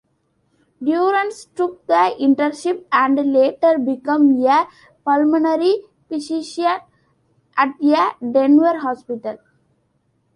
Durrance took the internship and later became a pulmonary physician at a Denver hospital.